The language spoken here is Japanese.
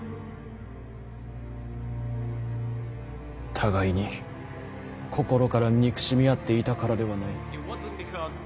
互いに心から憎しみ合っていたからではない。